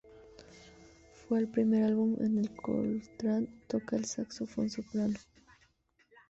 Fue el primer álbum en el que Coltrane toca el saxofón soprano.